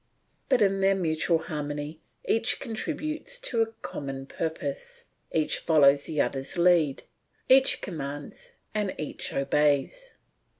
But in their mutual harmony each contributes to a common purpose; each follows the other's lead, each commands and each obeys.